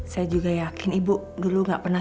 saya juga yakin bun dulu nggak pernah suka